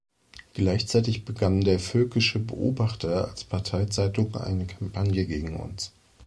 Gleichzeitig begann der „Völkische Beobachter“ als Parteizeitung eine Kampagne gegen uns.